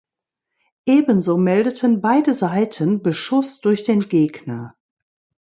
Ebenso meldeten beide Seiten Beschuss durch den Gegner.